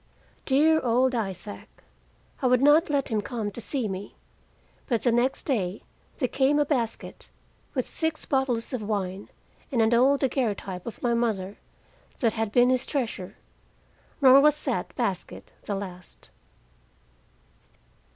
Dear old Isaac! I would not let him come to see me, but the next day there came a basket, with six bottles of wine, and an old daguerreotype of my mother, that had been his treasure. Nor was that basket the last.